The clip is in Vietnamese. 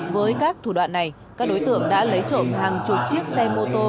với các thủ đoạn này các đối tượng đã lấy trộm hàng chục chiếc xe mô tô